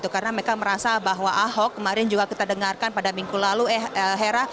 karena mereka merasa bahwa ahok kemarin juga kita dengarkan pada minggu lalu hera